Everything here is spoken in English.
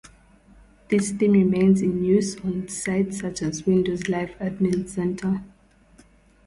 This theme remains in use on sites such as Windows Live Admin Center.